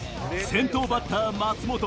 先頭バッター松本